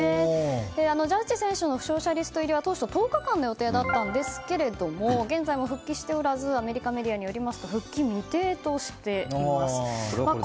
ジャッジ選手の負傷者リスト入りは当初、１０日間の予定でしたが現在も復帰しておらずアメリカメディアによりますと復帰未定としています。